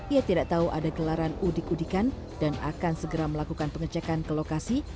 ia tidak tahu ada gelaran udik udikan dan akan segera melakukan pengecekan ke lokasi